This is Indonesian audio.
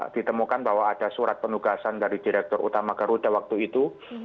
ditemukan bahwa ada surat penugasan dari direktur utama garuda waktu itu